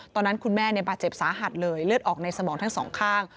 ตอนนั้นคุณแม่บาดเจ็บสาหัสเลยเลือดออกในสมองทั้งสองข้าง